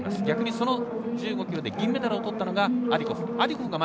逆にその１５ｋｍで銀メダルをとったのがアディコフ。